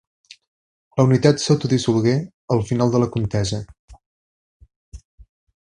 La unitat s'autodissolgué al final de la contesa.